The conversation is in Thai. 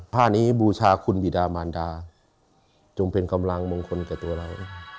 ผ้านี้บูชาคุณบิดามานดาจงเป็นกำลังมงคลแก่ตัวเรา